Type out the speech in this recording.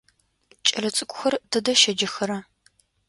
Кӏэлэцӏыкӏухэр тыдэ щеджэхэра?